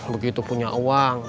begitu punya uang